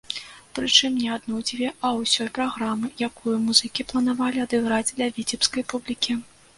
Прычым, не адну-дзве, а ўсёй праграмы, якую музыкі планавалі адыграць для віцебскай публікі.